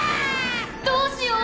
「どうしよう。